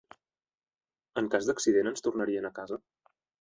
En cas d'accident ens tornarien a casa?